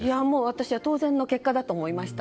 私は当然の結果だと思いました。